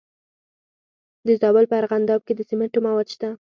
د زابل په ارغنداب کې د سمنټو مواد شته.